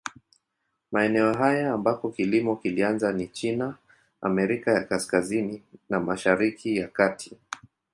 Maeneo haya ambako kilimo kilianza ni China, Amerika ya Kaskazini na Mashariki ya Kati.